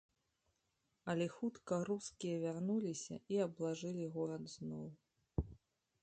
Але хутка рускія вярнуліся і аблажылі горад зноў.